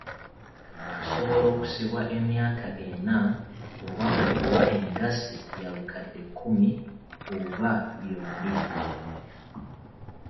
Asobola okusibwa emyaka ena oba okuwa engassi ya bukadde kuumi oba byombi.